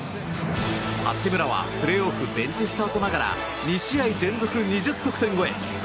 八村はプレーオフベンチスタートながら２試合連続２０得点超え！